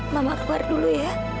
mama keluar dulu ya